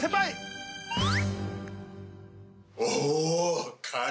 お！